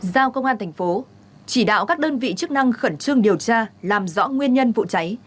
giao công an thành phố chỉ đạo các đơn vị chức năng khẩn trương điều tra làm rõ nguyên nhân vụ cháy